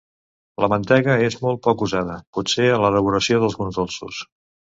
La mantega és molt poc usada, potser a l'elaboració d'alguns dolços.